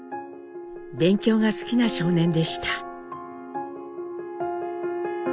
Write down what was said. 勉強が好きな少年でした。